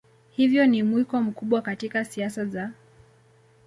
hivyo ni mwiko mkubwa katika siasa za